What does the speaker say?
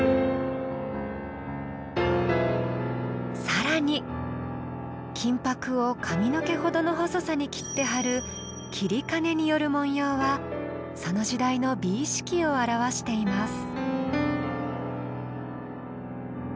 更に金箔を髪の毛ほどの細さに切って貼る截金による文様はその時代の美意識を表しています。